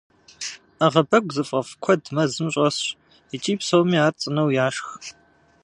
Ӏэгъэбэгу зыфӏэфӏ куэд мэзым щӏэсщ, икӏи псоми ар цӏынэу яшх.